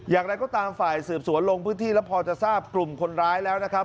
อย่างไรก็ตามฝ่ายสืบสวนลงพื้นที่แล้วพอจะทราบกลุ่มคนร้ายแล้วนะครับ